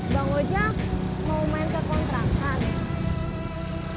bang ojek mau main ke kontrakan